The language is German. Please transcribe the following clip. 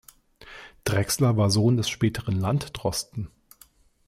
Drechsler war Sohn des späteren Landdrosten.